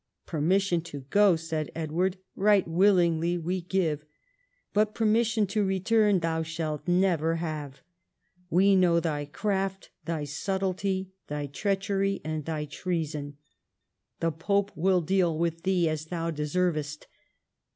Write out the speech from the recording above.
"Permission to go," said Edward, " right willingly we give, but permission to return thou shalt never have. We know thy craft, thy subtlety, thy treachery, and thy treason. The pope will deal with thee as thou deservest.